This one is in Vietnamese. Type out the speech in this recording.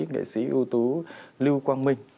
nghệ sĩ ưu tú lưu quang minh